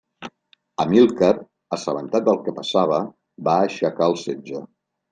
Amílcar, assabentat del que passava, va aixecar el setge.